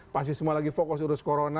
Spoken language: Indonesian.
pasti semua lagi fokus urus corona